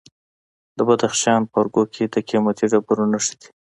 د بدخشان په ارګو کې د قیمتي ډبرو نښې دي.